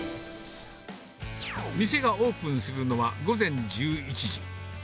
店がオープンするのは午前１１時。